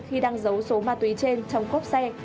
khi đang giấu số ma túy trên trong cốp xe